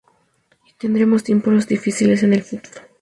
Y tendremos tiempos difíciles en el futuro.